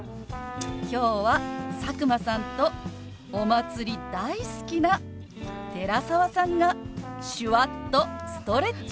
今日は佐久間さんとお祭り大好きな寺澤さんが手話っとストレッチ！